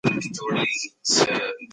هغې وویل د بدن تودوخه باید ساتل شي.